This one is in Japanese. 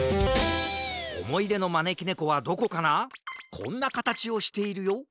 こんなかたちをしているよ